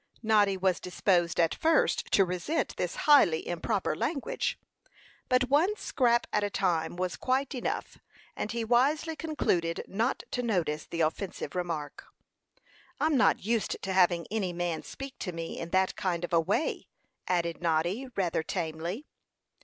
Noddy was disposed at first to resent this highly improper language; but one scrap at a time was quite enough, and he wisely concluded not to notice the offensive remark. "I'm not used to having any man speak to me in that kind of a way," added Noddy, rather tamely.